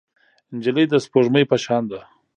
نجلۍ د سپوږمۍ په شان ده.